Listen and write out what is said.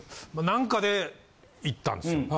何かで行ったんですよ。